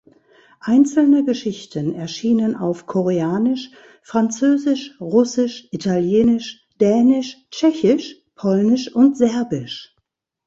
Einzelne Geschichten erschienen auf Koreanisch, Französisch, Russisch, Italienisch, Dänisch, Tschechisch, Polnisch und Serbisch.